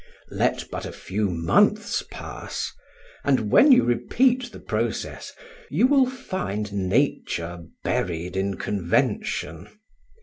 Let but a few months pass, and when you repeat the process you will find nature buried in convention.